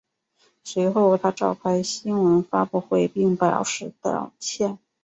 随后他召开新闻发布会表示道歉。